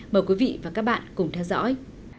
mời quý vị và các bạn cùng theo dõi